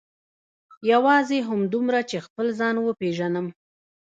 یوازې همدومره چې خپل ځان وپېژنم.